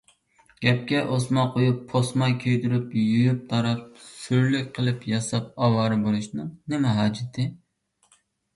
گەپكە ئوسما قويۇپ، پوسما كىيدۈرۈپ، يۇيۇپ - تاراپ، سۈرلۈك قىلىپ ياساپ ئاۋارە بولۇشنىڭ نېمە ھاجىتى؟